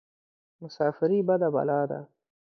مساپرى بده بلا ده.